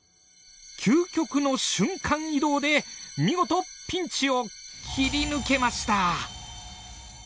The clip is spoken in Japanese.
究極の瞬間移動で見事ピンチを切り抜けました。